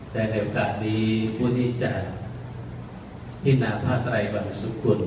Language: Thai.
แต่ในโอกาสนี้พวกนี้จะพินาภาคไตรแบบสุขุน